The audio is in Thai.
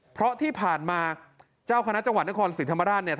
เพราะที่ผ่านมาเจ้าคณะจังหวัดนครสิริธรมาภิรัตรฝ่ายธรรมยุทธ์